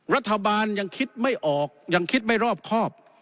รัฐบาลยังคิดไม่ออกยังคิดไม่รอบครอบ